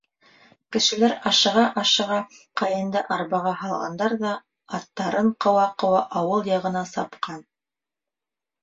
Кешеләр ашыға-ашыға ҡайынды арбаға һалғандар ҙа аттарын ҡыуа-ҡыуа ауыл яғына сапҡан.